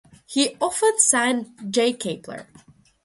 He often signed J Kapler.